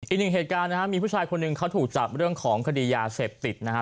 อีกหนึ่งเหตุการณ์นะครับมีผู้ชายคนหนึ่งเขาถูกจับเรื่องของคดียาเสพติดนะฮะ